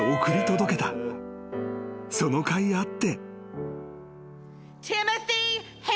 ［そのかいあって］